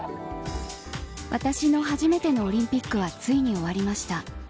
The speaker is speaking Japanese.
私の初めてのオリンピックはついに終わりました。